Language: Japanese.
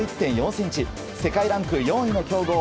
世界ランク４位の強豪